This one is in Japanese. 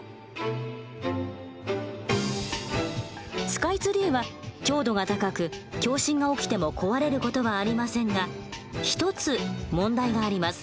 スカイツリーは強度が高く共振が起きても壊れる事はありませんが一つ問題があります。